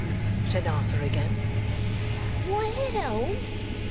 said Arthur again. 'Well?